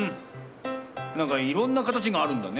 なんかいろんなかたちがあるんだね。